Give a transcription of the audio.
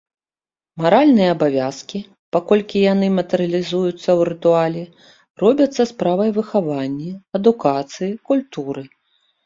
Маральныя абавязкі, паколькі яны матэрыялізуюцца ў рытуале, робяцца справай выхаванні, адукацыі, культуры.